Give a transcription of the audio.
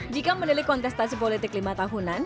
jika menilik kontestasi politik lima tahunan